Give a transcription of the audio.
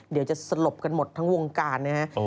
เดี๋ยวจะสลบกันหมดทั้งวงการนะฮะ